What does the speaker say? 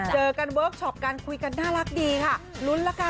เจอกันเวิร์คชอปกันคุยกันน่ารักดีค่ะ